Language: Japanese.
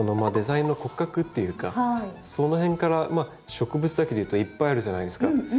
デザインの骨格っていうかそのへんから植物だけでいうといっぱいあるじゃないですか